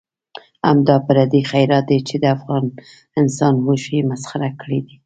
همدا پردی خیرات دی چې د افغان انسان هوش یې مسخره کړی دی.